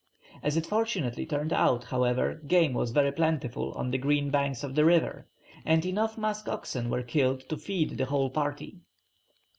As it fortunately turned out, however, game was very plentiful on the green banks of the river, and enough musk oxen were killed to feed the whole party.